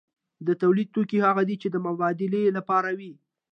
د تولید توکي هغه دي چې د مبادلې لپاره وي.